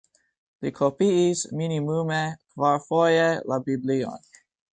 Li kopiis minimume kvarfoje la Biblion.